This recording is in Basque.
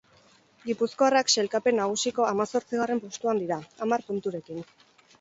Gipuzkoarrak sailkapen nagusiko hamazortzigarren postuan dira, hamar punturekin.